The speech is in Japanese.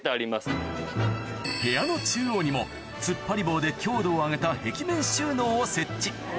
部屋の中央にも突っ張り棒で強度を上げた壁面収納を設置